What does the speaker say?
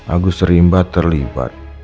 agus rimba terlibat